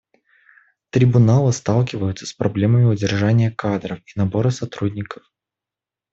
Трибуналы сталкиваются с проблемами удержания кадров и набора сотрудников.